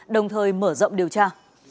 đồng thời mở rộng điều tra